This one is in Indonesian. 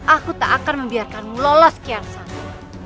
aku tak akan membiarkanmu lolos kian sana